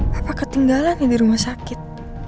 papa ketinggalan nih di rumah sakit